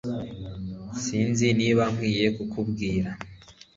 Sinzi niba nkwiye kukubwira